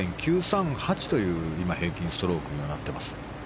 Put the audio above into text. ２．９３８という平均ストロークにはなってます。